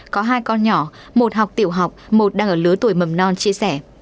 có hai con nhỏ một học tiểu học một đang ở lứa tuổi mầm non chia sẻ